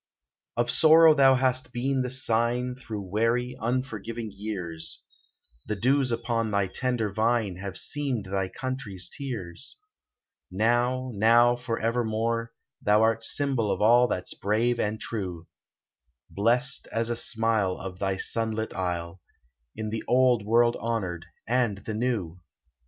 Of sorrow thou hast been the sign Through weary, unforgiving years ; 114 THE SHAMROCK IN SOUTH AFRICA The dews upon thy tender vine Have seemed thy country's tears ; Now, now forevermore, thou art Symbol of all that 's brave and true — Blest as a smile Of thy sunlit isle, In the Old World honored, and the New